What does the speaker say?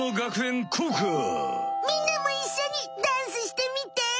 みんなもいっしょにダンスしてみて！